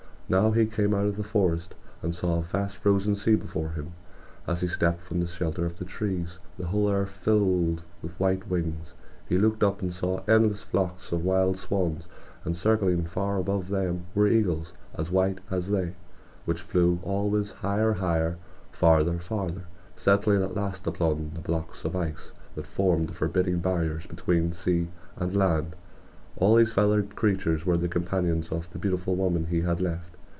Now he came out of the forest, and saw a vast frozen sea before him. As he stepped from the shelter of the trees the whole air was filled with white wings. He looked up and saw endless flocks of wild swans; and circling far above them were eagles as white as they, which flew always higher, higher, farther, farther, settling at last upon the blocks of ice that formed forbidding barriers between sea and land. All these feathered creatures were the companions of the beautiful woman he had left.